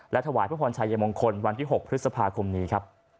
ถวายพระพรชัยมงคลวันที่๖พฤษภาคมนี้ครับ